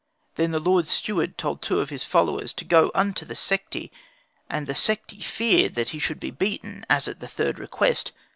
Then the Lord Steward told two of his followers to go unto the Sekhti; and the Sekhti feared that he should be beaten as at the third request.